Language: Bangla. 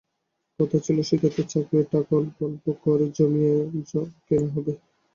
কথা ছিল সিদ্ধার্থের চাকরির টাকা অল্প অল্প করে জমিয়ে জমি কেনা হবে।